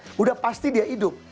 sudah pasti dia hidup